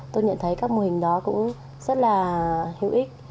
tôi nhận thấy các mô hình đó cũng rất là hữu ích